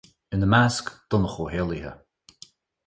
Ina measc Donncha Ó hÉallaithe.